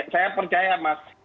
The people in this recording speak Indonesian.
saya percaya mas